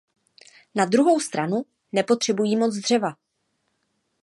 Na druhou stranu nepotřebují moc dřeva.